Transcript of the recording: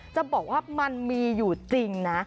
จะบอกว่ามันมีอยู่จริงนะ